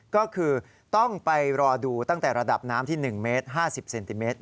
ก็คือต้องไปรอดูตั้งแต่ระดับน้ำที่๑เมตร๕๐เซนติเมตร